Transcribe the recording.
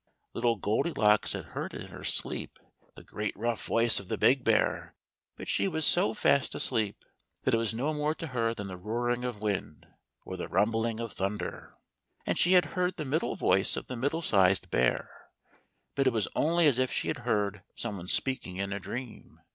Little Goldilocks had heard in her sleep the great rough gruff voice of the big bear, but she was so fast asleep that it was no more to her than the roaring of wind, or the rum bling of thunder. And she had heard the middle voice of the middle sized bear, but it was only as if she had heard some one speaking in a dream.